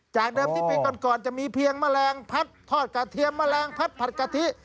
จากเดิมที่ปีก่อนจะมีเพียงแมลงพัดทอดกระเทียมแมลงพัดผัดกะทิ